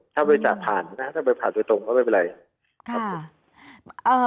ถ้าไปผ่านตัวตรงก็ไม่เป็นไร